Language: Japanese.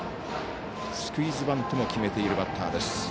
スクイズバントも決めているバッターです。